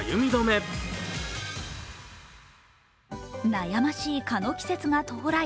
悩ましい蚊の季節が到来。